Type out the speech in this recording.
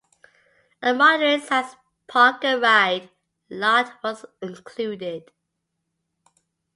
A moderate-sized park-and-ride lot was included.